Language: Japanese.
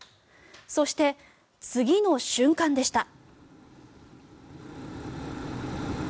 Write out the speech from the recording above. そして、次の瞬間でした。